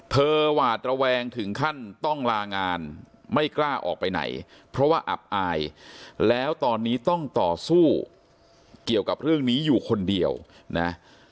หวาดระแวงถึงขั้นต้องลางานไม่กล้าออกไปไหนเพราะว่าอับอายแล้วตอนนี้ต้องต่อสู้เกี่ยวกับเรื่องนี้อยู่คนเดียวนะ